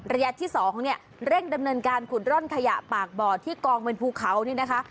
ระยะที่๒เนี่ยเร่งดำเนินการขุดร่อนขยะปากบ่อที่กองเป็นภูเขานี่นะคะ